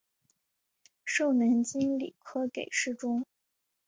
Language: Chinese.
授南京礼科给事中。